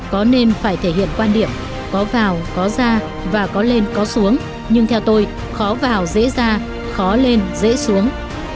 có nên phải thể hiện quan điểm có vào có ra và có lên có xuống nhưng theo tôi khó vào dễ ra khó lên dễ xuống